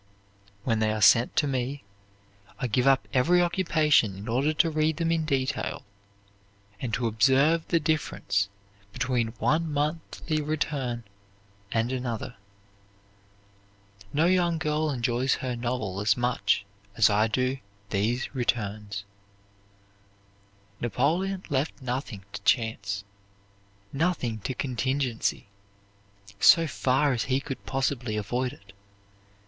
"When they are sent to me, I give up every occupation in order to read them in detail, and to observe the difference between one monthly return and another. No young girl enjoys her novel as much as I do these returns." Napoleon left nothing to chance, nothing to contingency, so far as he could possibly avoid it.